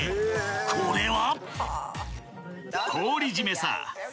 ［これは？］